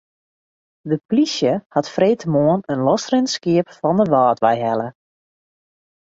De plysje hat freedtemoarn in losrinnend skiep fan de Wâldwei helle.